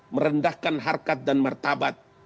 merendahkan harkat dan martabat